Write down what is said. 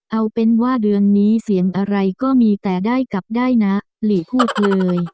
เอาเป็นว่าเดือนนี้เสียงอะไรก็มีแต่ได้กลับได้นะหลีพูดเลย